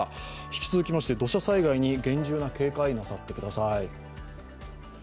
引き続き、土砂災害に厳重な警戒をなさってください。